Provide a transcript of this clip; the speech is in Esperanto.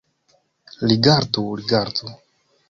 Rigardu, rigardu!